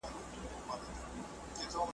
د سرې طلا خاوندان.